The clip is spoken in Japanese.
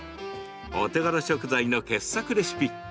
お手軽食材の傑作レシピ。